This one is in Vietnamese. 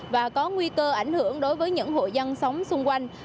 và có nguy cơ ảnh hưởng đối với những hội dân sống xung quanh